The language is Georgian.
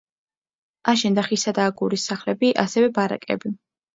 აშენდა ხისა და აგურის სახლები, ასევე ბარაკები.